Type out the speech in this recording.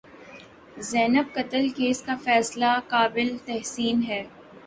زینب قتل کیس کا فیصلہ قابل تحسین ہے